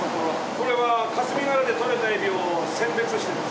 これは霞ヶ浦で獲れたエビを選別してるんです。